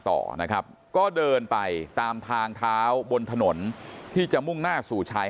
ต่อนะครับก็เดินไปตามทางเท้าบนถนนที่จะมุ่งหน้าสู่ชาย